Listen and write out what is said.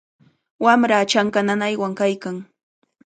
Wamraa chanka nanaywanmi kaykan.